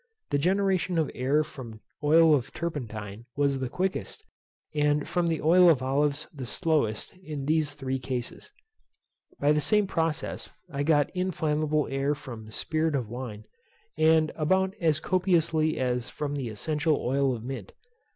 The generation of air from oil of turpentine was the quickest, and from the oil of olives the slowest in these three cases. By the same process I got inflammable air from spirit of wine, and about as copiously as from the essential oil of mint.